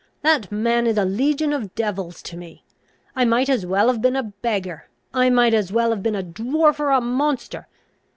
That man is a legion of devils to me! I might as well have been a beggar! I might as well have been a dwarf or a monster!